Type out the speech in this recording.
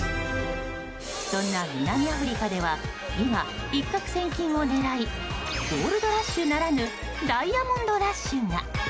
そんな南アフリカでは今一獲千金を狙いゴールドラッシュならぬダイヤモンドラッシュが。